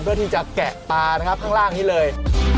เพื่อที่จะแกะปลานะครับข้างล่างนี้เลย